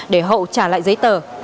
để hậu trả lại giấy tờ